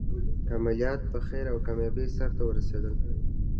عملیات په خیر او کامیابۍ سرته ورسېدل.